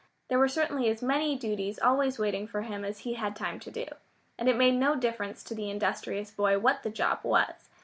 There were certainly as many duties always waiting for him as he had time to do. And it made no difference to the industrious boy what the job was.